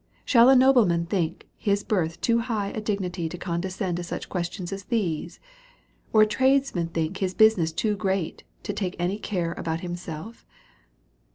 Shall a nobleman think his birth too high a dignity to condescend to such questions as these? Or a trades man think his business too great, to take any care about himself?